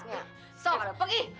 nggak sok pergi